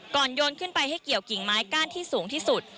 โยนขึ้นไปให้เกี่ยวกิ่งไม้ก้านที่สูงที่สุด